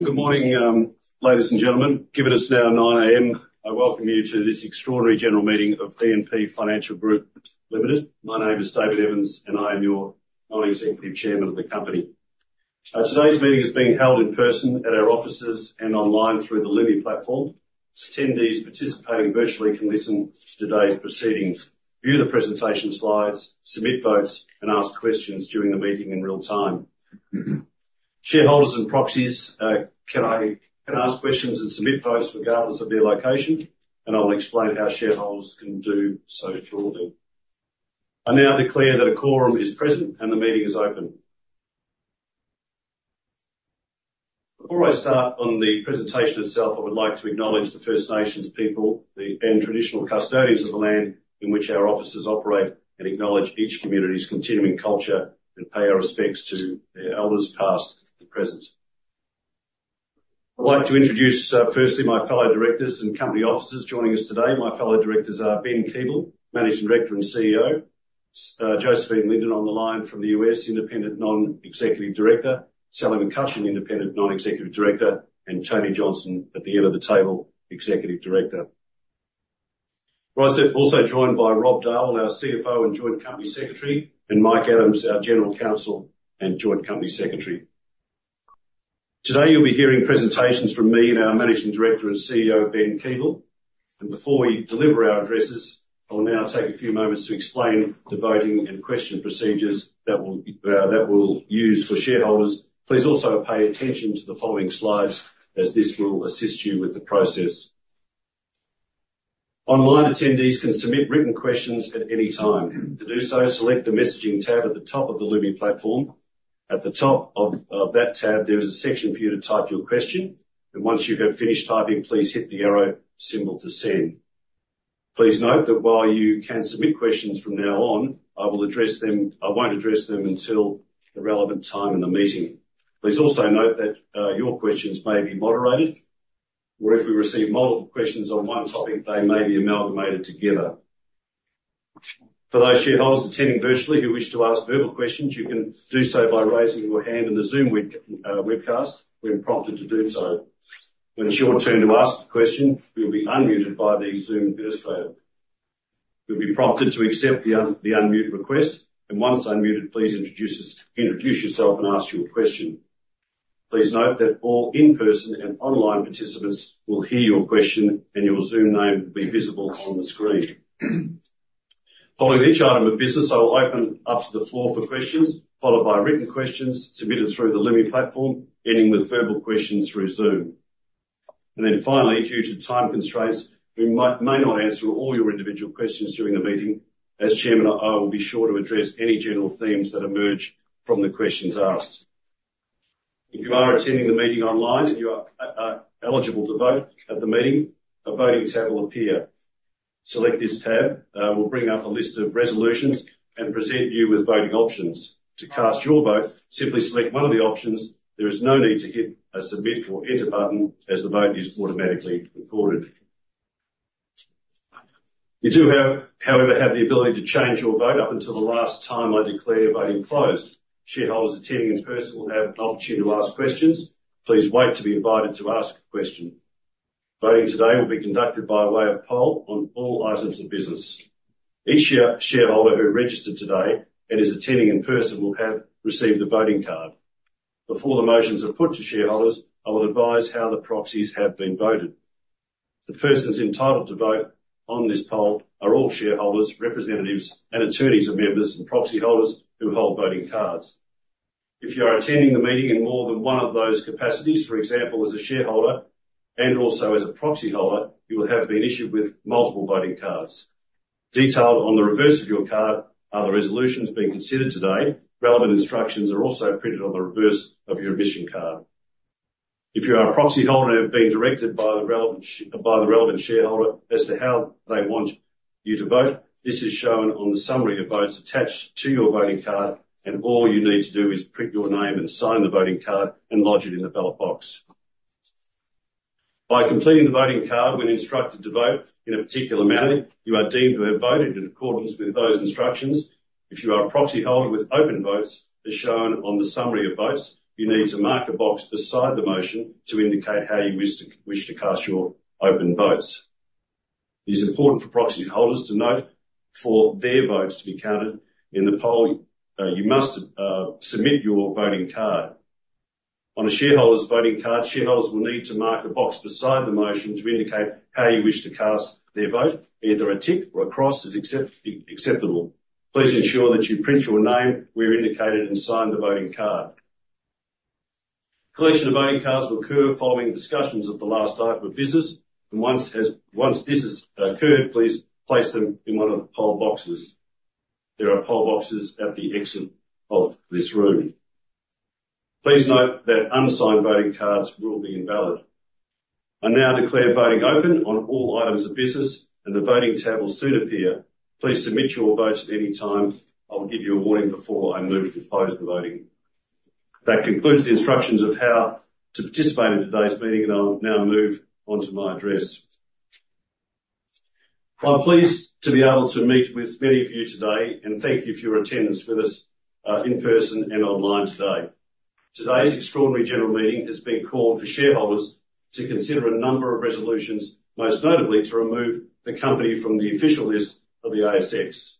Good morning, ladies and gentlemen. Given it's now 9:00 A.M., I welcome you to this extraordinary general meeting of E&P Financial Group Limited. My name is David Evans, and I am your Non-Executive Chairman of the company. Today's meeting is being held in person at our offices and online through the Lumi platform. Attendees participating virtually can listen to today's proceedings, view the presentation slides, submit votes, and ask questions during the meeting in real time. Shareholders and proxies, can I ask questions and submit votes regardless of your location? And I will explain how shareholders can do so shortly. I now declare that a quorum is present and the meeting is open. Before I start on the presentation itself, I would like to acknowledge the First Nations people and traditional custodians of the land in which our offices operate and acknowledge each community's continuing culture and pay our respects to their elders past and present. I'd like to introduce firstly my fellow directors and company officers joining us today. My fellow directors are Ben Keeble, Managing Director and CEO, Josephine Linden on the line from the U.S., Independent Non-Executive Director, Sally McCutchan, Independent Non-Executive Director, and Tony Johnson at the end of the table, Executive Director. I'm also joined by Rob Darwell, our CFO and Joint Company Secretary, and Mike Adams, our General Counsel and Joint Company Secretary. Today you'll be hearing presentations from me and our Managing Director and CEO, Ben Keeble. And before we deliver our addresses, I will now take a few moments to explain the voting and question procedures that we'll use for shareholders. Please also pay attention to the following slides as this will assist you with the process. Online attendees can submit written questions at any time. To do so, select the messaging tab at the top of the Lumi platform. At the top of that tab, there is a section for you to type your question. And once you have finished typing, please hit the arrow symbol to send. Please note that while you can submit questions from now on, I won't address them until the relevant time in the meeting. Please also note that your questions may be moderated, or if we receive multiple questions on one topic, they may be amalgamated together. For those shareholders attending virtually who wish to ask verbal questions, you can do so by raising your hand in the Zoom webcast when prompted to do so. When it's your turn to ask a question, you'll be unmuted by the Zoom administrator. You'll be prompted to accept the unmute request, and once unmuted, please introduce yourself and ask your question. Please note that all in-person and online participants will hear your question, and your Zoom name will be visible on the screen. Following each item of business, I will open up to the floor for questions, followed by written questions submitted through the Lumi platform, ending with verbal questions through Zoom, and then finally, due to time constraints, we may not answer all your individual questions during the meeting. As Chairman, I will be sure to address any general themes that emerge from the questions asked. If you are attending the meeting online and you are eligible to vote at the meeting, a voting tab will appear. Select this tab. We'll bring up a list of resolutions and present you with voting options. To cast your vote, simply select one of the options. There is no need to hit a submit or enter button as the vote is automatically recorded. You do, however, have the ability to change your vote up until the last time I declare voting closed. Shareholders attending in person will have an opportunity to ask questions. Please wait to be invited to ask a question. Voting today will be conducted by way of poll on all items of business. Each shareholder who registered today and is attending in person will have received a voting card. Before the motions are put to shareholders, I will advise how the proxies have been voted. The persons entitled to vote on this poll are all shareholders, representatives, and attorneys of members and proxy holders who hold voting cards. If you are attending the meeting in more than one of those capacities, for example, as a shareholder and also as a proxy holder, you will have been issued with multiple voting cards. Detailed on the reverse of your card are the resolutions being considered today. Relevant instructions are also printed on the reverse of your admission card. If you are a proxy holder and have been directed by the relevant shareholder as to how they want you to vote, this is shown on the summary of votes attached to your voting card, and all you need to do is print your name and sign the voting card and lodge it in the ballot box. By completing the voting card, when instructed to vote in a particular manner, you are deemed to have voted in accordance with those instructions. If you are a proxy holder with open votes, as shown on the summary of votes, you need to mark a box beside the motion to indicate how you wish to cast your open votes. It is important for proxy holders to note for their votes to be counted in the poll, you must submit your voting card. On a shareholder's voting card, shareholders will need to mark a box beside the motion to indicate how you wish to cast their vote. Either a tick or a cross is acceptable. Please ensure that you print your name where indicated and sign the voting card. Collection of voting cards will occur following discussions of the last item of business. Once this has occurred, please place them in one of the poll boxes. There are poll boxes at the exit of this room. Please note that unsigned voting cards will be invalid. I now declare voting open on all items of business, and the voting tab will soon appear. Please submit your votes at any time. I will give you a warning before I move to close the voting. That concludes the instructions of how to participate in today's meeting, and I'll now move on to my address. I'm pleased to be able to meet with many of you today and thank you for your attendance with us in person and online today. Today's extraordinary general meeting has been called for shareholders to consider a number of resolutions, most notably to remove the company from the official list of the ASX.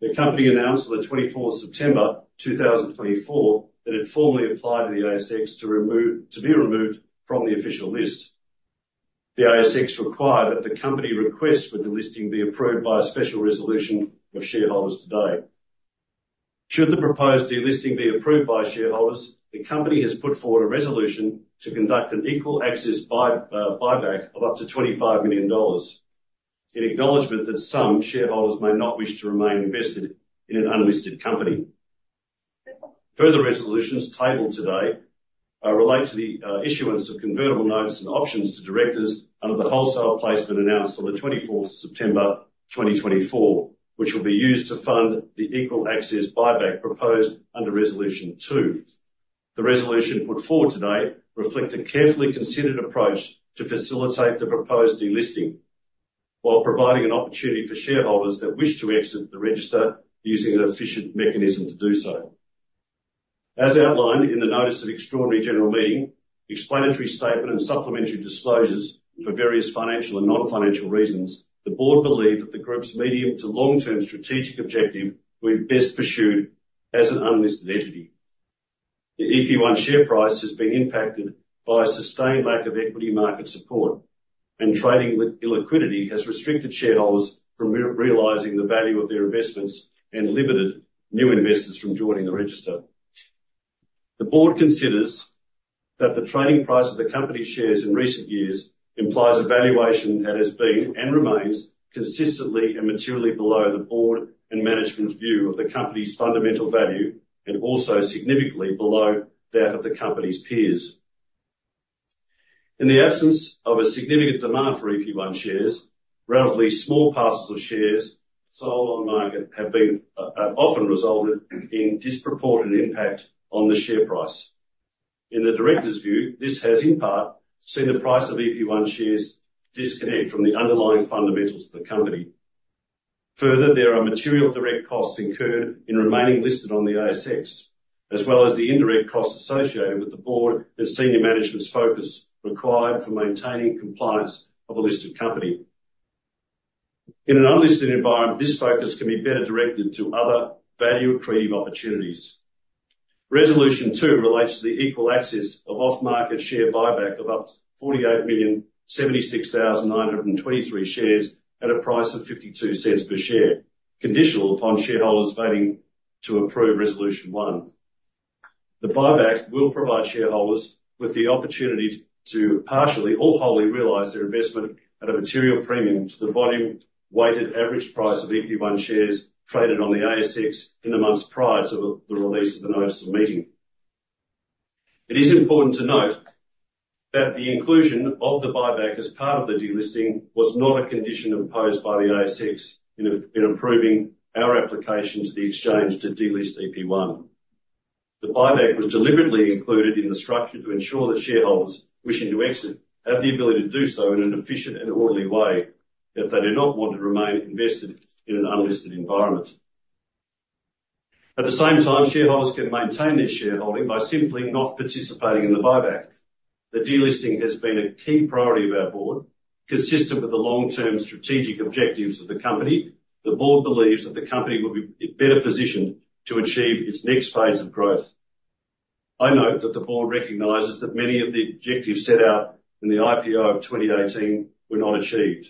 The company announced on the 24th of September, 2024, that it formally applied to the ASX to be removed from the official list. The ASX required that the company request for delisting be approved by a special resolution of shareholders today. Should the proposed delisting be approved by shareholders, the company has put forward a resolution to conduct an equal access buyback of up to 25 million dollars, in acknowledgment that some shareholders may not wish to remain invested in an unlisted company. Further resolutions tabled today relate to the issuance of convertible notes and options to directors under the wholesale placement announced on the 24th of September, 2024, which will be used to fund the equal access buyback proposed under resolution two. The resolution put forward today reflects a carefully considered approach to facilitate the proposed delisting, while providing an opportunity for shareholders that wish to exit the register using an efficient mechanism to do so. As outlined in the notice of extraordinary general meeting, explanatory statement and supplementary disclosures for various financial and non-financial reasons, the board believed that the group's medium to long-term strategic objective will be best pursued as an unlisted entity. The EP1 share price has been impacted by a sustained lack of equity market support, and trading with illiquidity has restricted shareholders from realizing the value of their investments and limited new investors from joining the register. The board considers that the trading price of the company's shares in recent years implies a valuation that has been and remains consistently and materially below the board and management view of the company's fundamental value and also significantly below that of the company's peers. In the absence of a significant demand for EP1 shares, relatively small parcels of shares sold on the market have often resulted in disproportionate impact on the share price. In the director's view, this has in part seen the price of EP1 shares disconnect from the underlying fundamentals of the company. Further, there are material direct costs incurred in remaining listed on the ASX, as well as the indirect costs associated with the board and senior management's focus required for maintaining compliance of a listed company. In an unlisted environment, this focus can be better directed to other value-accretive opportunities. Resolution two relates to the equal access off-market share buyback of up to 48,076,923 shares at a price of 0.52 per share, conditional upon shareholders voting to approve resolution one. The buyback will provide shareholders with the opportunity to partially or wholly realize their investment at a material premium to the volume-weighted average price of EP1 shares traded on the ASX in the months prior to the release of the notice of meeting. It is important to note that the inclusion of the buyback as part of the delisting was not a condition imposed by the ASX in approving our application to the exchange to delist EP1. The buyback was deliberately included in the structure to ensure that shareholders wishing to exit have the ability to do so in an efficient and orderly way, if they do not want to remain invested in an unlisted environment. At the same time, shareholders can maintain their shareholding by simply not participating in the buyback. The delisting has been a key priority of our board. Consistent with the long-term strategic objectives of the company, the board believes that the company will be better positioned to achieve its next phase of growth. I note that the board recognizes that many of the objectives set out in the IPO of 2018 were not achieved,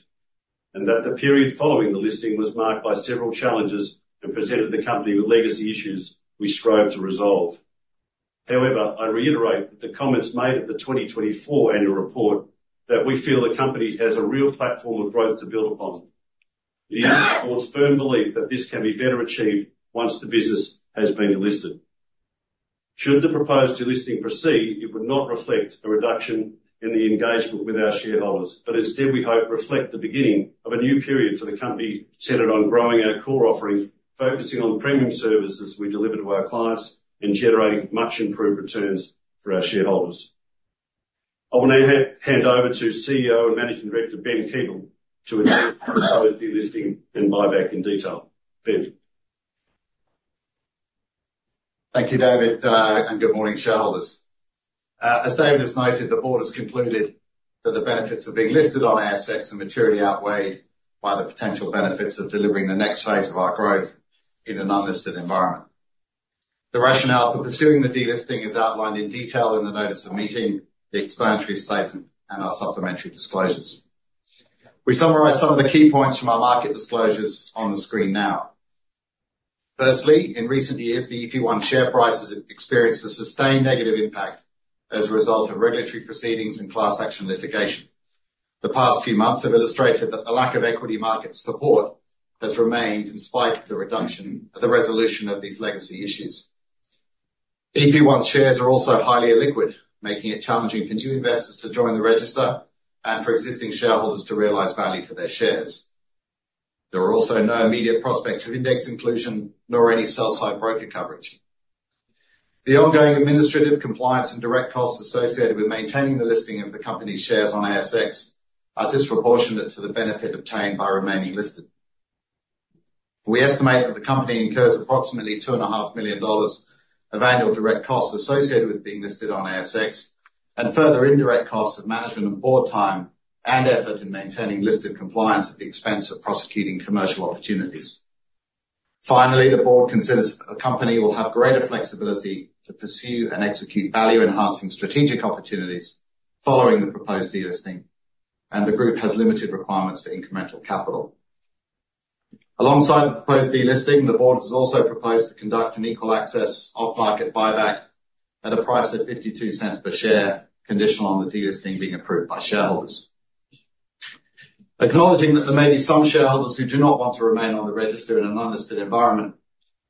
and that the period following the listing was marked by several challenges and presented the company with legacy issues we strove to resolve. However, I reiterate that the comments made at the 2024 annual report, that we feel the company has a real platform of growth to build upon. It is the board's firm belief that this can be better achieved once the business has been delisted. Should the proposed delisting proceed, it would not reflect a reduction in the engagement with our shareholders, but instead, we hope reflects the beginning of a new period for the company centered on growing our core offerings, focusing on premium services we deliver to our clients and generating much improved returns for our shareholders. I will now hand over to CEO and Managing Director Ben Keeble to address the proposed delisting and buyback in detail. Ben. Thank you, David, and good morning, shareholders. As David has noted, the board has concluded that the benefits of being listed on ASX are materially outweighed by the potential benefits of delivering the next phase of our growth in an unlisted environment. The rationale for pursuing the delisting is outlined in detail in the notice of meeting, the explanatory statement, and our supplementary disclosures. We summarize some of the key points from our market disclosures on the screen now. Firstly, in recent years, the EP1 share price has experienced a sustained negative impact as a result of regulatory proceedings and class action litigation. The past few months have illustrated that the lack of equity market support has remained in spite of the resolution of these legacy issues. EP1 shares are also highly illiquid, making it challenging for new investors to join the register and for existing shareholders to realize value for their shares. There are also no immediate prospects of index inclusion nor any sell-side broker coverage. The ongoing administrative compliance and direct costs associated with maintaining the listing of the company's shares on ASX are disproportionate to the benefit obtained by remaining listed. We estimate that the company incurs approximately 2.5 million dollars of annual direct costs associated with being listed on ASX and further indirect costs of management and board time and effort in maintaining listed compliance at the expense of prosecuting commercial opportunities. Finally, the board considers that the company will have greater flexibility to pursue and execute value-enhancing strategic opportunities following the proposed delisting, and the group has limited requirements for incremental capital. Alongside the proposed delisting, the board has also proposed to conduct an equal access off-market buyback at a price of 0.52 per share, conditional on the delisting being approved by shareholders. Acknowledging that there may be some shareholders who do not want to remain on the register in an unlisted environment,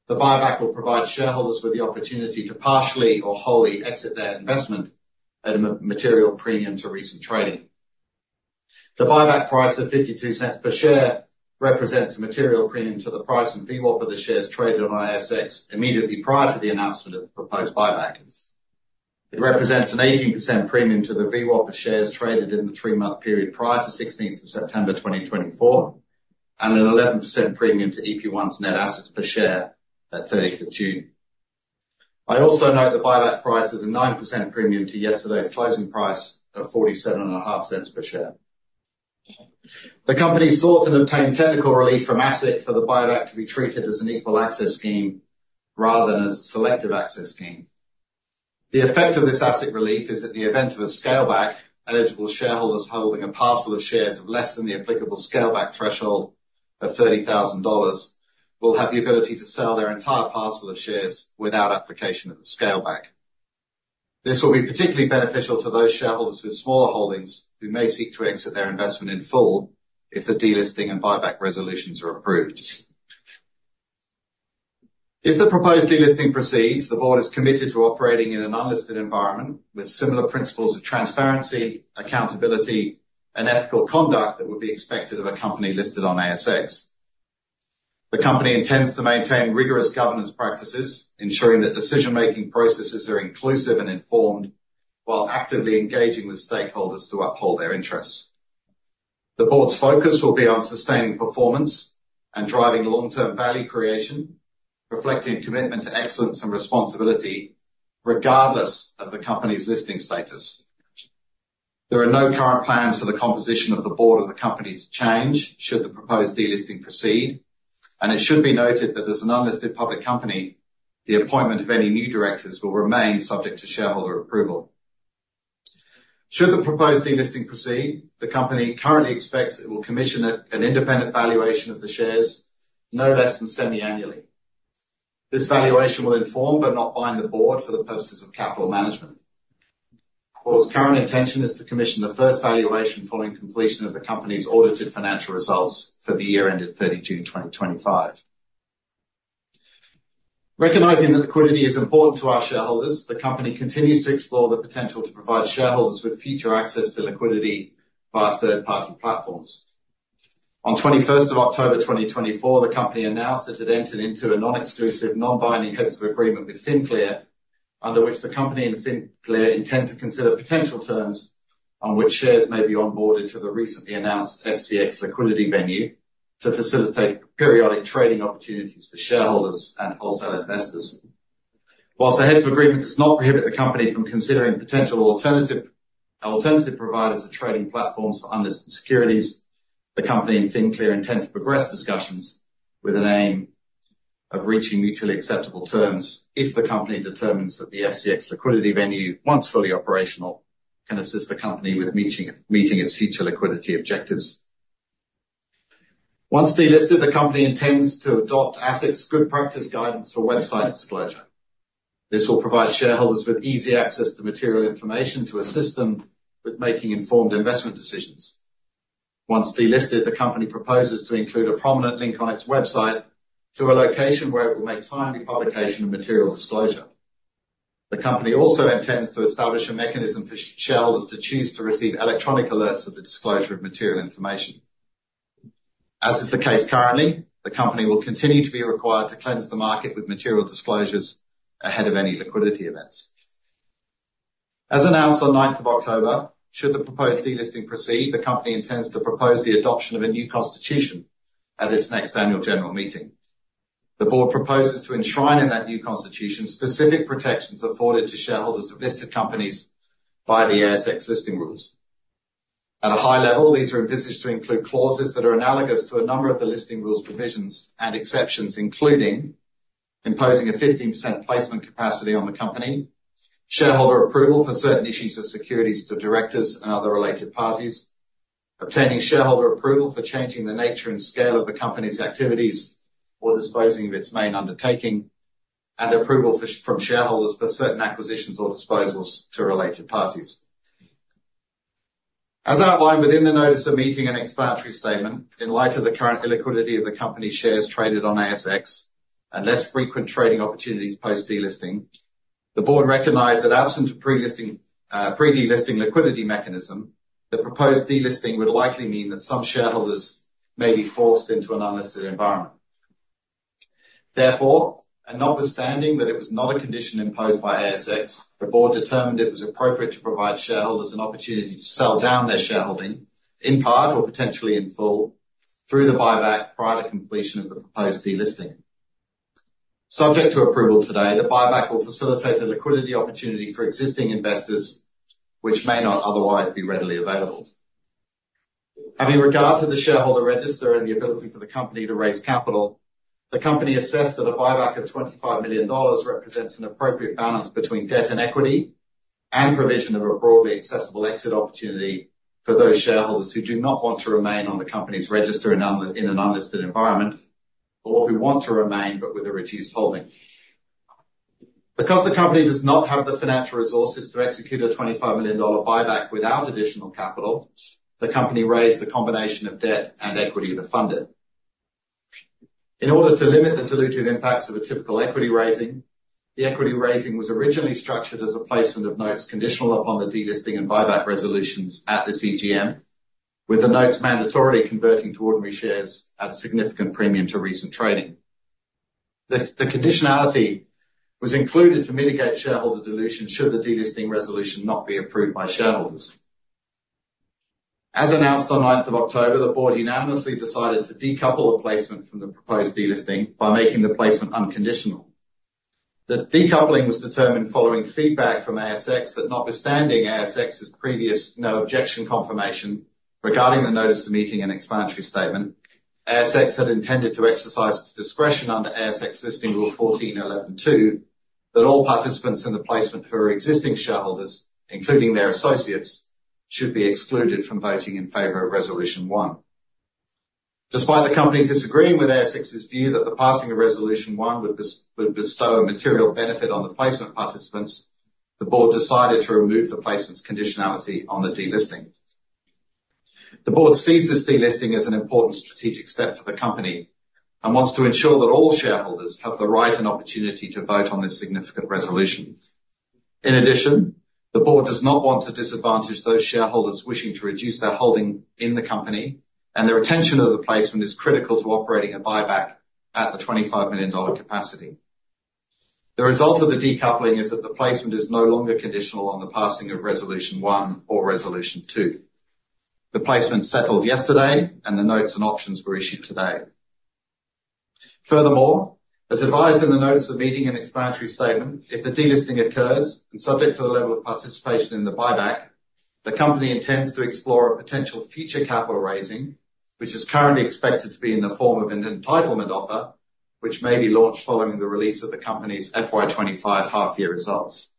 the buyback will provide shareholders with the opportunity to partially or wholly exit their investment at a material premium to recent trading. The buyback price of 0.52 per share represents a material premium to the price and VWAP of the shares traded on ASX immediately prior to the announcement of the proposed buyback. It represents an 18% premium to the VWAP of shares traded in the three-month period prior to 16th of September, 2024, and an 11% premium to EP1's net assets per share at 30th of June. I also note the buyback price is a 9% premium to yesterday's closing price of 0.475 per share. The company sought and obtained technical relief from ASIC for the buyback to be treated as an equal access scheme rather than as a selective access scheme. The effect of this ASIC relief is that the event of a scale-back, eligible shareholders holding a parcel of shares of less than the applicable scale-back threshold of 30,000 dollars will have the ability to sell their entire parcel of shares without application of the scale-back. This will be particularly beneficial to those shareholders with smaller holdings who may seek to exit their investment in full if the delisting and buyback resolutions are approved. If the proposed delisting proceeds, the board is committed to operating in an unlisted environment with similar principles of transparency, accountability, and ethical conduct that would be expected of a company listed on ASX. The company intends to maintain rigorous governance practices, ensuring that decision-making processes are inclusive and informed while actively engaging with stakeholders to uphold their interests. The board's focus will be on sustaining performance and driving long-term value creation, reflecting a commitment to excellence and responsibility regardless of the company's listing status. There are no current plans for the composition of the board of the company to change should the proposed delisting proceed, and it should be noted that as an unlisted public company, the appointment of any new directors will remain subject to shareholder approval. Should the proposed delisting proceed, the company currently expects it will commission an independent valuation of the shares, no less than semi-annually. This valuation will inform but not bind the board for the purposes of capital management. The board's current intention is to commission the first valuation following completion of the company's audited financial results for the year ended 30 June 2025. Recognizing that liquidity is important to our shareholders, the company continues to explore the potential to provide shareholders with future access to liquidity via third-party platforms. On 21st of October 2024, the company announced that it had entered into a non-exclusive, non-binding heads of agreement with FinClear, under which the company and FinClear intend to consider potential terms on which shares may be onboarded to the recently announced FCX liquidity venue to facilitate periodic trading opportunities for shareholders and wholesale investors. While the heads of agreement does not prohibit the company from considering potential alternative providers of trading platforms for unlisted securities, the company and FinClear intend to progress discussions with an aim of reaching mutually acceptable terms if the company determines that the FCX liquidity venue, once fully operational, can assist the company with meeting its future liquidity objectives. Once delisted, the company intends to adopt ASIC's good practice guidance for website disclosure. This will provide shareholders with easy access to material information to assist them with making informed investment decisions. Once delisted, the company proposes to include a prominent link on its website to a location where it will make timely publication of material disclosure. The company also intends to establish a mechanism for shareholders to choose to receive electronic alerts of the disclosure of material information. As is the case currently, the company will continue to be required to cleanse the market with material disclosures ahead of any liquidity events. As announced on 9th of October, should the proposed delisting proceed, the company intends to propose the adoption of a new constitution at its next annual general meeting. The board proposes to enshrine in that new constitution specific protections afforded to shareholders of listed companies by the ASX listing rules. At a high level, these are envisaged to include clauses that are analogous to a number of the listing rules provisions and exceptions, including imposing a 15% placement capacity on the company, shareholder approval for certain issues of securities to directors and other related parties, obtaining shareholder approval for changing the nature and scale of the company's activities or disposing of its main undertaking, and approval from shareholders for certain acquisitions or disposals to related parties. As outlined within the notice of meeting and explanatory statement, in light of the current illiquidity of the company's shares traded on ASX and less frequent trading opportunities post-delisting, the board recognized that absent a pre-delisting liquidity mechanism, the proposed delisting would likely mean that some shareholders may be forced into an unlisted environment. Therefore, and notwithstanding that it was not a condition imposed by ASX, the board determined it was appropriate to provide shareholders an opportunity to sell down their shareholding in part or potentially in full through the buyback prior to completion of the proposed delisting. Subject to approval today, the buyback will facilitate a liquidity opportunity for existing investors which may not otherwise be readily available. Having regard to the shareholder register and the ability for the company to raise capital, the company assessed that a buyback of 25 million dollars represents an appropriate balance between debt and equity and provision of a broadly accessible exit opportunity for those shareholders who do not want to remain on the company's register in an unlisted environment or who want to remain but with a reduced holding. Because the company does not have the financial resources to execute an 25 million dollar buyback without additional capital, the company raised a combination of debt and equity to fund it. In order to limit the dilutive impacts of a typical equity raising, the equity raising was originally structured as a placement of notes conditional upon the delisting and buyback resolutions at this EGM, with the notes mandatorily converting to ordinary shares at a significant premium to recent trading. The conditionality was included to mitigate shareholder dilution should the delisting resolution not be approved by shareholders. As announced on 9th of October, the board unanimously decided to decouple the placement from the proposed delisting by making the placement unconditional. The decoupling was determined following feedback from ASX that, notwithstanding ASX's previous no-objection confirmation regarding the notice of meeting and explanatory statement, ASX had intended to exercise its discretion under ASX Listing Rule 14.11(2) that all participants in the placement who are existing shareholders, including their associates, should be excluded from voting in favor of Resolution 1. Despite the company disagreeing with ASX's view that the passing of Resolution 1 would bestow a material benefit on the placement participants, the board decided to remove the placement's conditionality on the delisting. The board sees this delisting as an important strategic step for the company and wants to ensure that all shareholders have the right and opportunity to vote on this significant resolution. In addition, the board does not want to disadvantage those shareholders wishing to reduce their holding in the company, and their attention to the placement is critical to operating a buyback at the 25 million dollar capacity. The result of the decoupling is that the placement is no longer conditional on the passing of Resolution 1 or Resolution 2. The placement settled yesterday, and the notes and options were issued today. Furthermore, as advised in the notice of meeting and explanatory statement, if the delisting occurs and subject to the level of participation in the buyback, the company intends to explore a potential future capital raising, which is currently expected to be in the form of an entitlement offer which may be launched following the release of the company's FY 25 half-year results.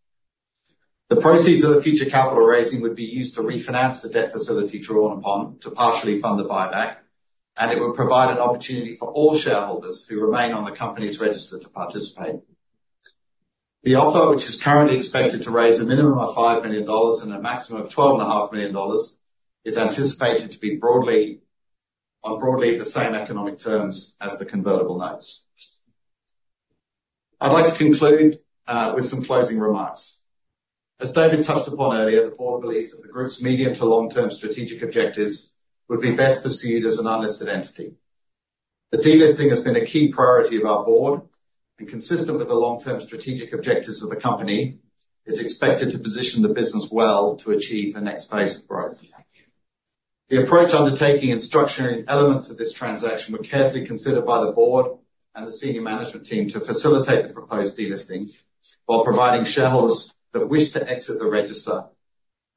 The proceeds of the future capital raising would be used to refinance the debt facility drawn upon to partially fund the buyback, and it would provide an opportunity for all shareholders who remain on the company's register to participate. The offer, which is currently expected to raise a minimum of 5 million dollars and a maximum of 12.5 million dollars, is anticipated to be on broadly the same economic terms as the convertible notes. I'd like to conclude with some closing remarks. As David touched upon earlier, the board believes that the group's medium to long-term strategic objectives would be best pursued as an unlisted entity. The delisting has been a key priority of our board, and consistent with the long-term strategic objectives of the company, it is expected to position the business well to achieve the next phase of growth. The approach, undertaking, and structuring elements of this transaction were carefully considered by the board and the senior management team to facilitate the proposed delisting while providing shareholders that wish to exit the register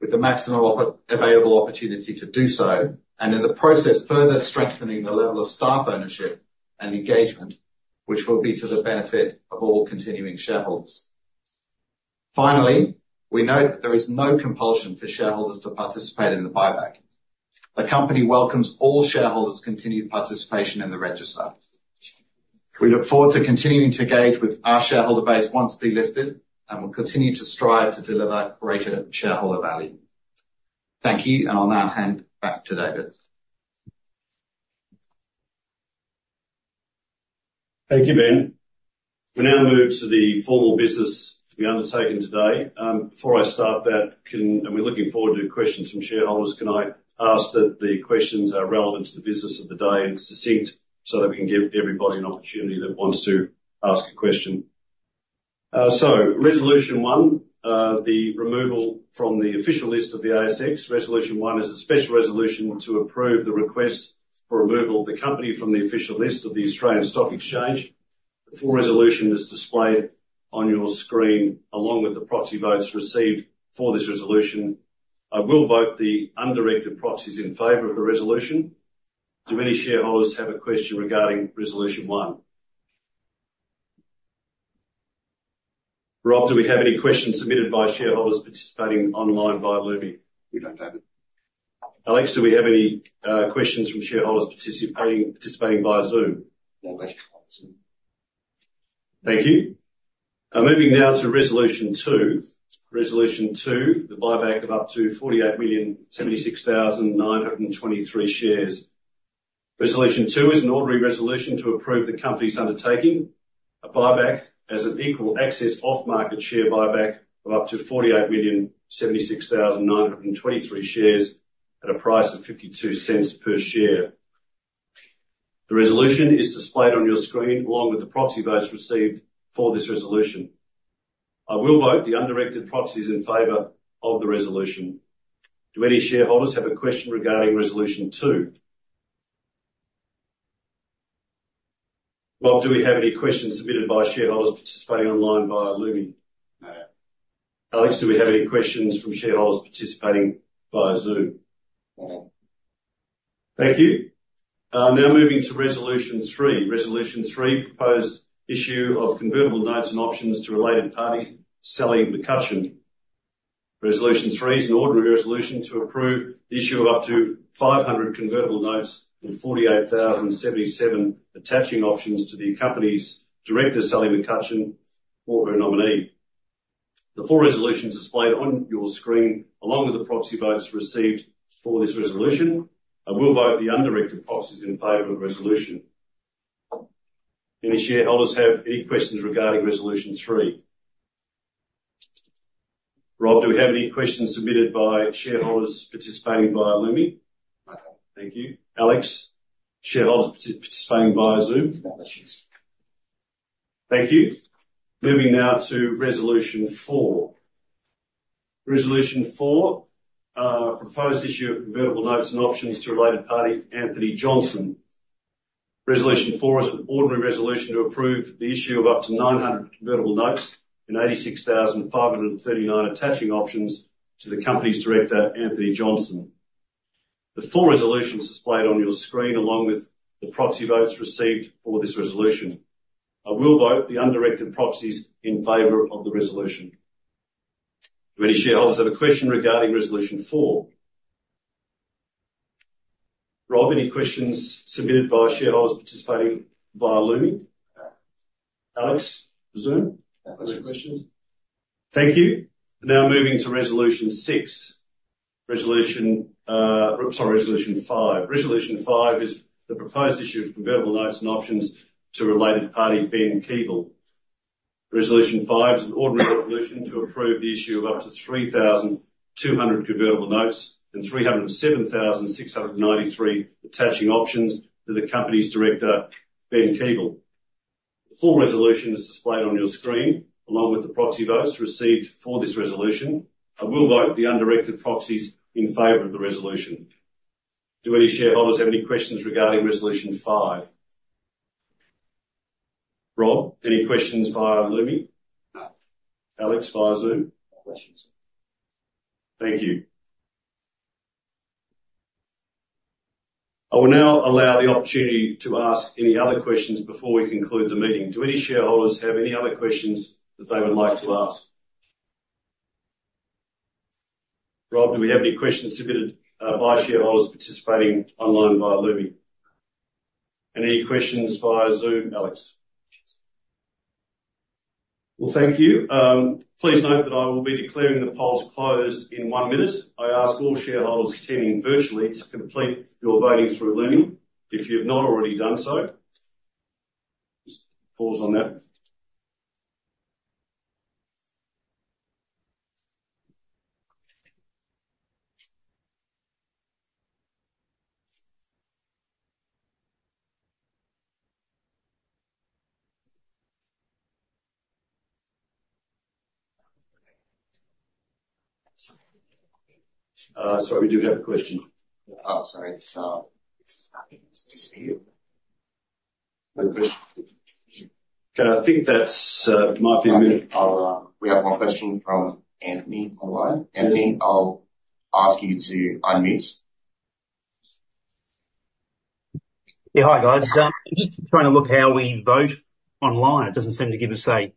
with the maximum available opportunity to do so, and in the process further strengthening the level of staff ownership and engagement, which will be to the benefit of all continuing shareholders. Finally, we note that there is no compulsion for shareholders to participate in the buyback. The company welcomes all shareholders' continued participation in the register. We look forward to continuing to engage with our shareholder base once delisted and will continue to strive to deliver greater shareholder value. Thank you, and on that note, back to David. Thank you, Ben. We now move to the formal business to be undertaken today. Before I start that, and we're looking forward to questions from shareholders, can I ask that the questions are relevant to the business of the day and succinct so that we can give everybody an opportunity that wants to ask a question? So, Resolution 1, the removal from the official list of the ASX. Resolution 1 is a special resolution to approve the request for removal of the company from the official list of the Australian Stock Exchange. The full resolution is displayed on your screen along with the proxy votes received for this resolution. I will vote the undirected proxies in favor of the resolution. Do any shareholders have a question regarding Resolution 1? Rob, do we have any questions submitted by shareholders participating online by Lumi? We don't, David. Alex, do we have any questions from shareholders participating via Zoom? No questions from Zoom. Thank you. Moving now to Resolution 2. Resolution 2, the buyback of up to 48,076,923 shares. Resolution 2 is an ordinary resolution to approve the company's undertaking a buyback as an equal access off-market share buyback of up to 48,076,923 shares at a price of 0.52 per share. The resolution is displayed on your screen along with the proxy votes received for this resolution. I will vote the undirected proxies in favor of the resolution. Do any shareholders have a question regarding Resolution 2? Rob, do we have any questions submitted by shareholders participating online via Lumi? No. Alex, do we have any questions from shareholders participating via Zoom? No one. Thank you. Now moving to Resolution 3. Resolution 3, proposed issue of convertible notes and options to related party Sally McCutchan. Resolution 3 is an ordinary resolution to approve the issue of up to 500 convertible notes and 48,077 attaching options to the company's director, Sally McCutchan, or her nominee. The full resolution is displayed on your screen along with the proxy votes received for this resolution. I will vote the undirected proxies in favor of the resolution. Any shareholders have any questions regarding Resolution 3? Rob, do we have any questions submitted by shareholders participating via Lumi? No one. Thank you. Alex, shareholders participating via Zoom? No questions. Thank you. Moving now to Resolution 4. Resolution 4, proposed issue of convertible notes and options to related party Anthony Johnson. Resolution 4 is an ordinary resolution to approve the issue of up to 900 convertible notes and 86,539 attaching options to the company's director, Anthony Johnson. The full resolution is displayed on your screen along with the proxy votes received for this resolution. I will vote the undirected proxies in favor of the resolution. Do any shareholders have a question regarding Resolution 4? Rob, any questions submitted by shareholders participating via Lumi? No. Alex, Zoom? No questions. Thank you. Now moving to Resolution 6. Sorry, Resolution 5. Resolution 5 is the proposed issue of convertible notes and options to related party Ben Keeble. Resolution 5 is an ordinary resolution to approve the issue of up to 3,200 convertible notes and 307,693 attaching options to the company's director, Ben Keeble. The full resolution is displayed on your screen along with the proxy votes received for this resolution. I will vote the undirected proxies in favor of the resolution. Do any shareholders have any questions regarding Resolution 5? Rob, any questions via Lumi? No. Alex, via Zoom? No questions. Thank you. I will now allow the opportunity to ask any other questions before we conclude the meeting. Do any shareholders have any other questions that they would like to ask? Rob, do we have any questions submitted by shareholders participating online via Lumi? No one. And any questions via Zoom? Alex? No questions. Well, thank you. Please note that I will be declaring the polls closed in one minute. I ask all shareholders attending virtually to complete your voting through Lumi. If you have not already done so, just pause on that. Sorry, we do have a question. Oh, sorry. It's stopping. It's disappeared. No questions. Can I think that it might be a minute? We have one question from Anthony online. Anthony, I'll ask you to unmute. Yeah, hi, guys. I'm just trying to look how we vote online. It doesn't seem to give us a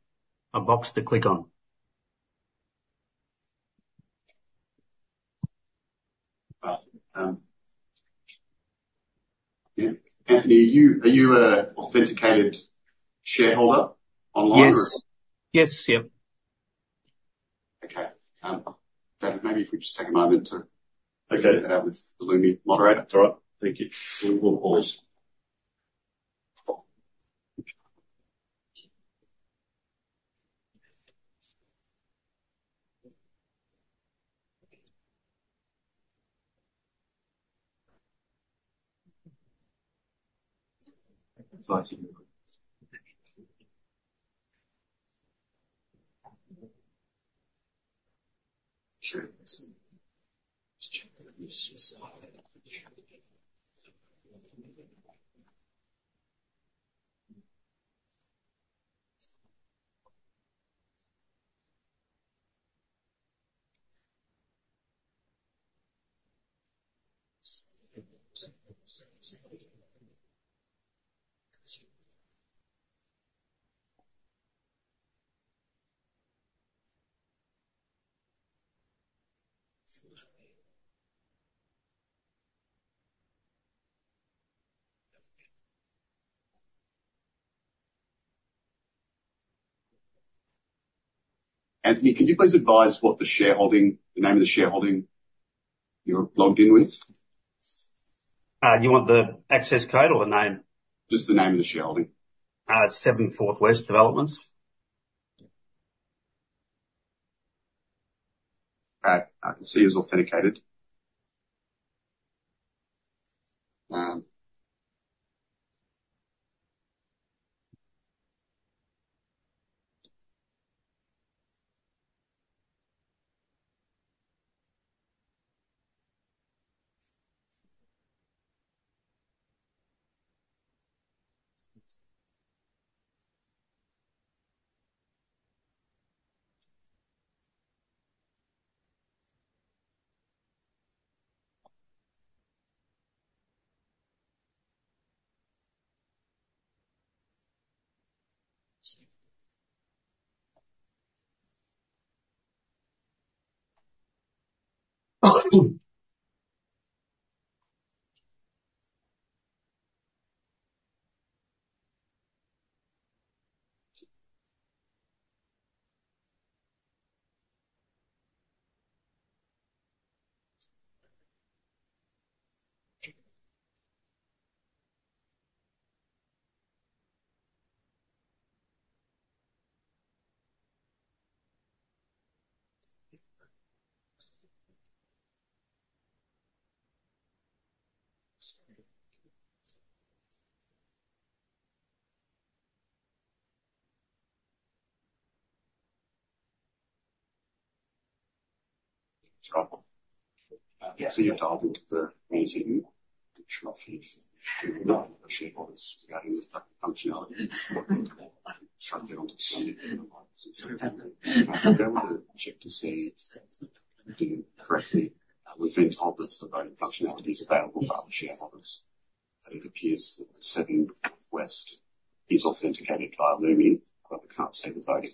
box to click on. Yeah. Anthony, are you an authenticated shareholder online or? Yes. Yes. Yeah. Okay. David, maybe if we just take a moment to get that out with the Lumi moderator. That's all right. Thank you. We'll pause. Anthony, could you please advise what the shareholding, the name of the shareholding you're logged in with? You want the access code or the name? Just the name of the shareholding. It's 74 West Developments. I can see it's authenticated. Yeah. So you're told with the meeting additional fees to the shareholders regarding the voting functionality. I'm shocked they're not expanding it. They want to check to see if they're doing it correctly. We've been told that the voting functionality is available for other shareholders. It appears that the 74 West is authenticated via Lumi, but we can't see the voting.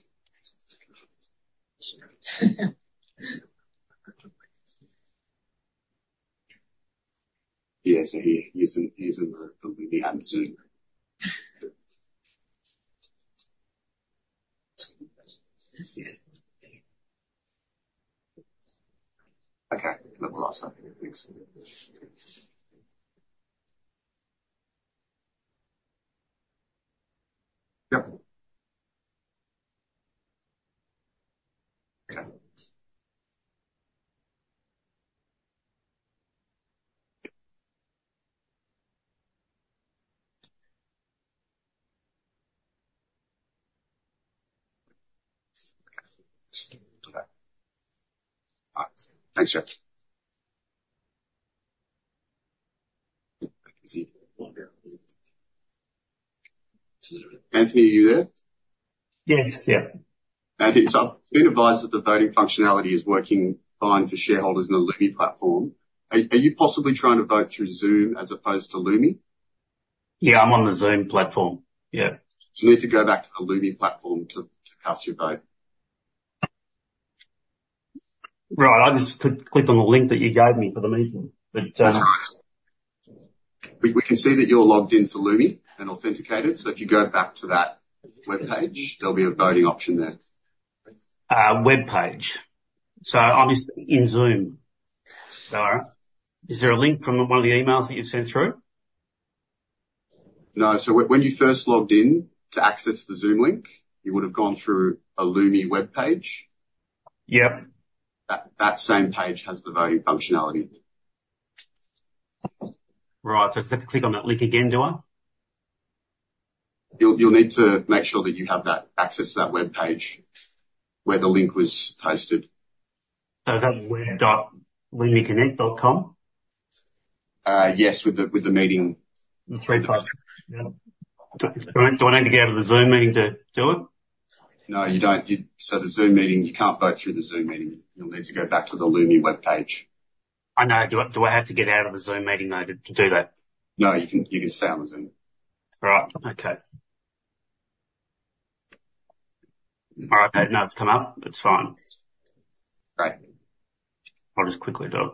Yeah. So he's in the Lumi and Zoom. Okay. That will last that minute, thanks. Yeah. Okay. Thanks, Jeff. Anthony, are you there? Yes. Yeah. Anthony, I've been advised that the voting functionality is working fine for shareholders in the Lumi platform. Are you possibly trying to vote through Zoom as opposed to Lumi? Yeah. I'm on the Zoom platform. Yeah. You need to go back to the Lumi platform to cast your vote. Right. I just could click on the link that you gave me for the meeting, but. That's right. We can see that you're logged in for Lumi and authenticated. If you go back to that web page, there'll be a voting option there. Web page. I'm in Zoom. Is there a link from one of the emails that you've sent through? No. When you first logged in to access the Zoom link, you would have gone through a Lumi web page. Yep. That same page has the voting functionality. Right. So does it have to click on that link again, do I? You'll need to make sure that you have that access to that web page where the link was posted. So is that web.lumiconnect.com? Yes. With the meeting. The pre-post. Do I need to get out of the Zoom meeting to do it? No. You don't. So the Zoom meeting, you can't vote through the Zoom meeting. You'll need to go back to the Lumi web page. I know. Do I have to get out of the Zoom meeting though to do that? No. You can stay on the Zoom. All right. Okay. All right. Now it's come up. It's fine. Great. I'll just quickly do it.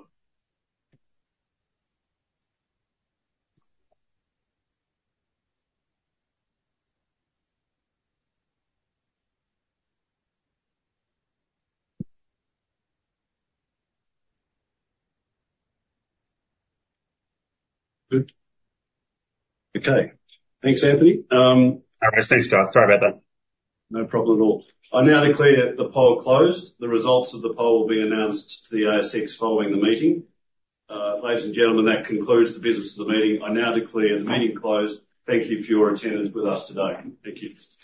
Good. Okay. Thanks, Anthony. All right. Thanks, Scott. Sorry about that. No problem at all. I now declare the poll closed. The results of the poll will be announced to the ASX following the meeting. Ladies and gentlemen, that concludes the business of the meeting. I now declare the meeting closed. Thank you for your attendance with us today. Thank you.